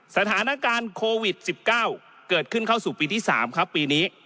สถานการณ์โควิด๑๙เกิดขึ้นเข้าสู่ปีที่๓ครับปีนี้